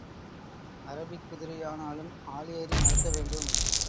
Arabic குதிரையானாலும் ஆள் ஏறி நடத்த வேண்டும்.